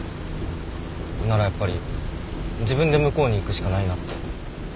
ならやっぱり自分で向こうに行くしかないなって。